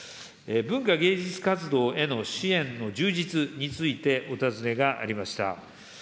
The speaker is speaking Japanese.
文化芸術活動への支援の充実についてお尋ねがありました。